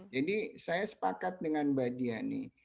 jadi saya sepakat dengan mbak diani